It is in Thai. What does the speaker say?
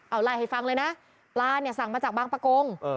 เอาไล่ให้ฟังเลยนะลาสั่งมาจากบ้างปะโกง